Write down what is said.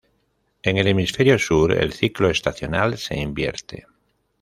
En el hemisferio sur, el ciclo estacional se invierte.